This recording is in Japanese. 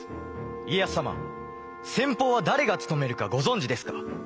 家康様先鋒は誰が務めるかご存じですか？